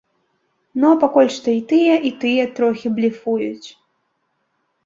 Ну а пакуль што і тыя, і тыя трохі блефуюць.